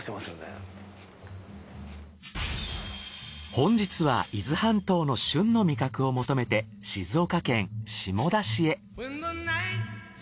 本日は伊豆半島の旬の味覚を求めて静岡県下田市へ。